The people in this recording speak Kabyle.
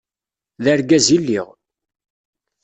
D argaz i lliɣ.